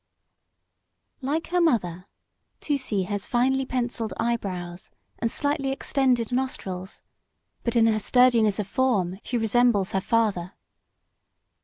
Like her mother, Tusee has finely pencilled eyebrows and slightly extended nostrils; but in her sturdiness of form she resembles her father.